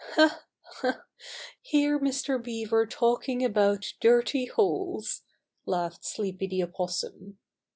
"Ha ! Ha ! Hear Mr. Beaver talking about dirty holes!" laughed Sleepy the Opossum.